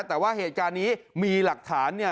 แต่ว่าเหตุการณ์นี้มีหลักฐานเนี่ย